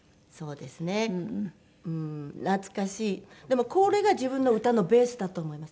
でもこれが自分の歌のベースだと思います。